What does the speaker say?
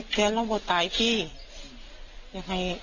ดไม่บ่านดี